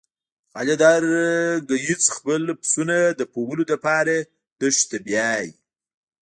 خالد هر ګیځ خپل پسونه د پوولو لپاره دښتی ته بیایی.